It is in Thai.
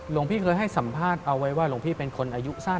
หลวงพี่เคยให้สัมภาษณ์เอาไว้ว่าหลวงพี่เป็นคนอายุสั้น